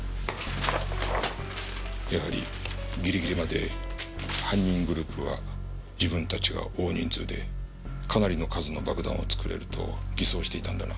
やはりギリギリまで犯人グループは自分たちが大人数でかなりの数の爆弾を作れると偽装していたんだな。